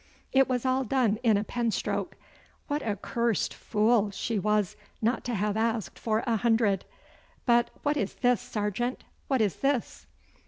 It was all done in a penstroke. What a cursed fool she was not to have asked for a hundred! But what is this, sergeant, what is this?